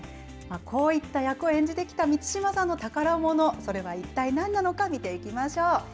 こういった役を演じてきた満島さんの宝もの、それは一体何なのか、見ていきましょう。